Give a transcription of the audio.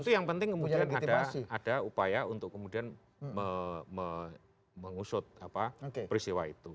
itu yang penting kemudian ada upaya untuk kemudian mengusut peristiwa itu